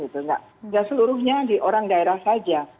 tidak seluruhnya di orang daerah saja